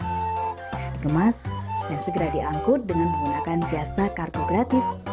dikemas dan segera diangkut dengan menggunakan jasa kartu gratis